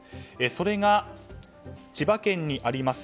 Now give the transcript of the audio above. それが、千葉県あります